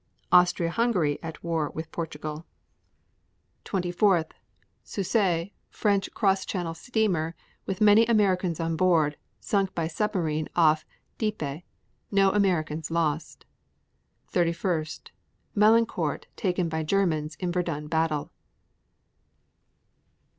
Austria Hungary at war with Portugal. 24. Sussex, French cross channel steamer, with many Americans aboard, sunk by submarine off Dieppe. No Americans lost. 31. Melancourt taken by Germans in Verdun Battle.